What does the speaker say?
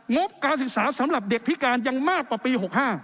งบการศึกษาสำหรับเด็กพิการยังมากกว่าปี๖๕